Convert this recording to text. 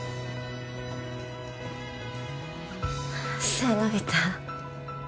背伸びた？